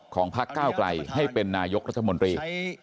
พักก้าวไกลให้เป็นนายกรัฐมนตรี